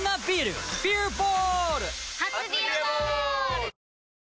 初「ビアボール」！